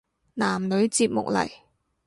男女節目嚟